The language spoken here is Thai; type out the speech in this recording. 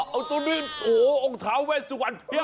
อ๋อเอาตัวนี้โอ้โหองค์เท้าเวชสุวรรณเพียง